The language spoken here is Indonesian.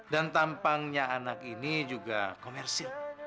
dan tampangnya anak ini juga komersil